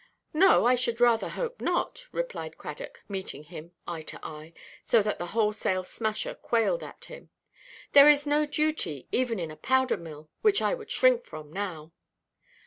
"No, I should rather hope not," replied Cradock, meeting him eye to eye, so that the wholesale smasher quailed at him; "there is no duty, even in a powder–mill, which I would shrink from now."